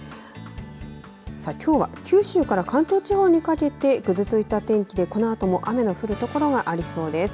きょうは九州から関東地方にかけてぐずついた天気でこのあとも雨の降る所がありそうです。